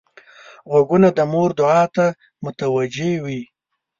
غوږونه د مور دعا ته متوجه وي